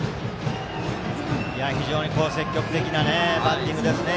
非常に積極的なバッティングですね。